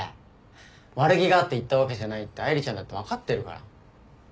悪気があって言ったわけじゃないって愛梨ちゃんだって分かってるから。